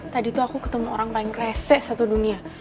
tadi tuh aku ketemu orang paling reseh satu dunia